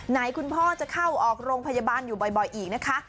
คุณพ่อจะเข้าออกโรงพยาบาลอยู่บ่อยอีกนะคะ